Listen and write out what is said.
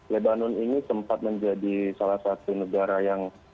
lebanon ini sempat menjadi salah satu negara yang